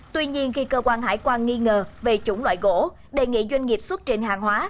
tuy nhiên khi cơ quan hải quan nghi ngờ về chủng loại gỗ đề nghị doanh nghiệp xuất trình hàng hóa